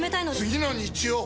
次の日曜！